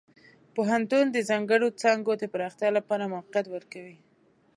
پوهنتون د ځانګړو څانګو د پراختیا لپاره موقعیت ورکوي.